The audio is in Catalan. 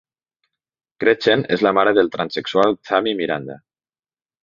Gretchen és la mare del transsexual Thammy Miranda.